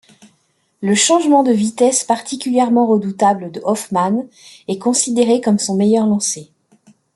Le changement de vitesse particulièrement redoutable de Hoffman est considéré comme son meilleur lancer.